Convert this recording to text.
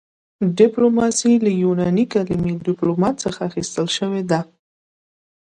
ډیپلوماسي له یوناني کلمې ډیپلوما څخه اخیستل شوې ده